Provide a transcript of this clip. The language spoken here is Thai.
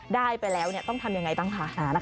ได้ไปแล้วเนี่ยต้องทำยังไงต่างค่ะ